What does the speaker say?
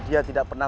dia sudah berubah